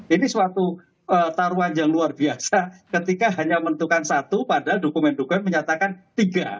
ini suatu taruhan yang luar biasa ketika hanya menentukan satu padahal dokumen dokumen menyatakan tiga